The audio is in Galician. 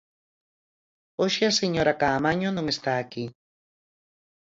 Hoxe a señora Caamaño non está aquí.